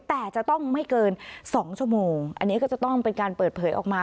แต่จะต้องไม่เกิน๒ชั่วโมงอันนี้ก็จะต้องเป็นการเปิดเผยออกมา